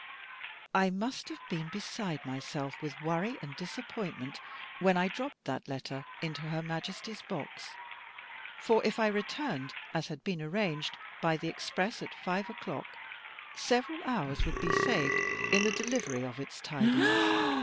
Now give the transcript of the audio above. I must have been beside myself with worry and disappointment, when I dropped that letter into Her Majesty's box; for if I returned, as had been arranged, by the express at five o'clock, several hours would be saved in the delivery of its tidings.